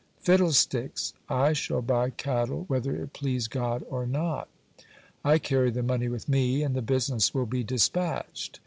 "Fiddlesticks! I shall buy cattle whether it please God or not! I carry the money with me, and the business will be dispatched."